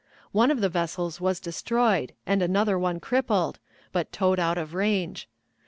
One of the vessels was destroyed, and another one crippled, but towed out of range.